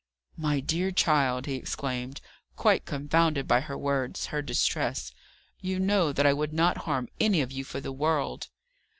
"My dear child," he exclaimed, quite confounded by her words her distress: "you know that I would not harm any of you for the world."